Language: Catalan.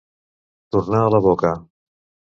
Tornar a la boca.